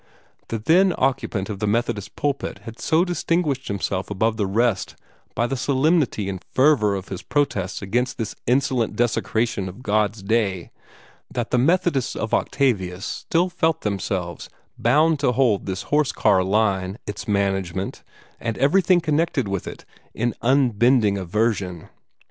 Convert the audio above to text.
The then occupant of the Methodist pulpit had so distinguished himself above the rest by the solemnity and fervor of his protests against this insolent desecration of God's day that the Methodists of Octavius still felt themselves peculiarly bound to hold this horse car line, its management, and everything connected with it, in unbending aversion.